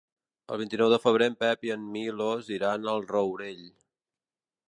El vint-i-nou de febrer en Pep i en Milos iran al Rourell.